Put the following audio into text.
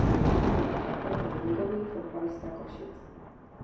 Jeho bratr byl ligový fotbalista Košic.